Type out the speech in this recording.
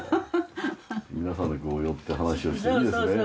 皆さんでこう寄って話をしていいですね。